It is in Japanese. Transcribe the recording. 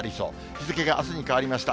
日付があすに変わりました。